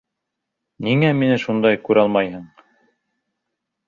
Ниңә мине шундай күралмайһың?